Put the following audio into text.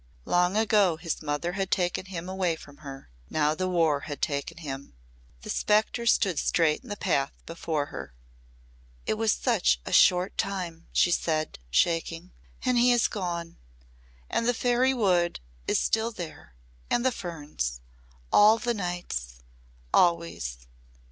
Long ago his mother had taken him away from her. Now the War had taken him. The spectre stood straight in the path before her. "It was such a short time," she said, shaking. "And he is gone. And the fairy wood is there still and the ferns! All the nights always!"